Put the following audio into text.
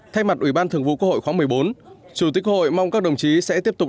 thay mặt ủy ban thường vụ quốc hội khóa một mươi bốn chủ tịch hội mong các đồng chí sẽ tiếp tục